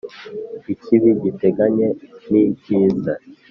Ikibi giteganye n’icyiza,